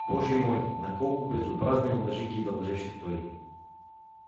Боже мой, на колко безобразни лъжи ги дължеше той!